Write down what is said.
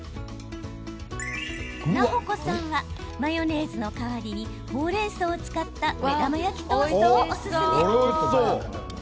奈穂子さんはマヨネーズの代わりにほうれんそうを使った目玉焼きトーストをおすすめ。